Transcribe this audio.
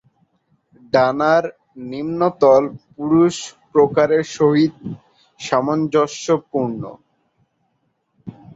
ডানার নিম্নতল পুরুষ প্রকারের সহিত সামঞ্জস্যপূর্ণ।